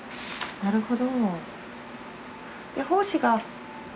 なるほど。